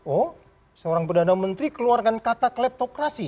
oh seorang perdana menteri keluarkan kata kleptokrasi